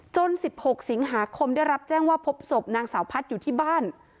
๑๖สิงหาคมได้รับแจ้งว่าพบศพนางสาวพัฒน์อยู่ที่บ้าน